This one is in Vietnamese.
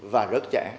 và rất chẳng